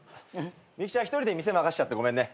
ミユキちゃん１人で店任しちゃってごめんね。